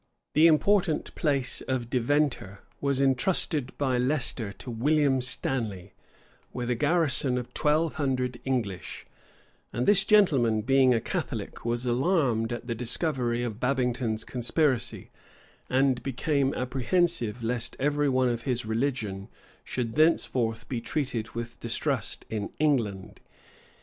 The important place of Deventer was intrusted by Leicester to William Stanley, with a garrison of twelve hundred English; and this gentleman, being a Catholic, was alarmed at the discovery of Babington's conspiracy, and became apprehensive lest every one of his religion should thenceforth be treated with distrust in England.